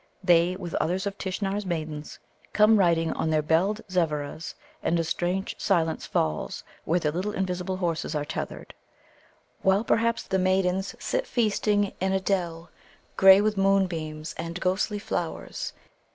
They, with other of Tishnar's Maidens, come riding on their belled Zevveras, and a strange silence falls where their little invisible horses are tethered; while, perhaps, the Maidens sit feasting in a dell, grey with moonbeams and ghostly flowers.